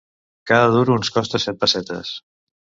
Cada duro ens costa set pessetes.